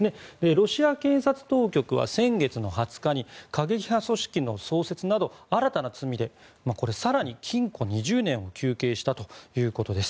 ロシア検察当局は先月２０日に過激派組織の創設など新たな罪でこれ、更に禁錮２０年を求刑したということです。